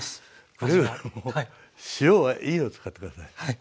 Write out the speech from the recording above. くれぐれも塩はいいの使って下さい。